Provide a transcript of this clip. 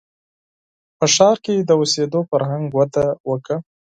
• په ښار کې د اوسېدو فرهنګ وده وکړه.